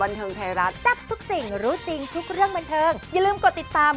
อันตรายเหมือนกันนะทุกผู้ชม